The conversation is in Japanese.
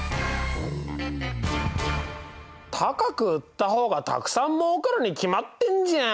高く売った方がたくさんもうかるに決まってんじゃん！